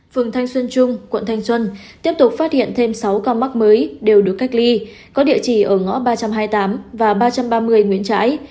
phường thanh xuân trung quận thanh xuân tiếp tục phát hiện thêm sáu ca mắc mới đều được cách ly có địa chỉ ở ngõ ba trăm hai mươi tám và ba trăm ba mươi nguyễn trãi